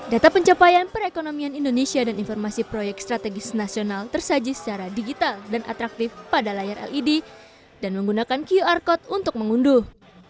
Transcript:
data pencapaian perekonomian indonesia dan informasi proyek strategis nasional tersaji secara digital dan atraktif pada layar led dan menggunakan qr code untuk mengunduh